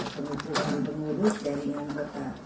pemukulan pemurus jaringan beka